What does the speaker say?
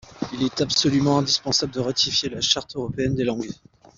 Il est absolument indispensable de ratifier la Charte européenne des langues.